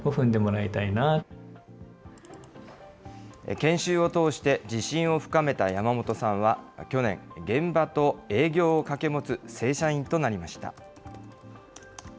研修を通して自信を深めた山本さんは、去年、現場と営業を掛け持つ正社員となりました。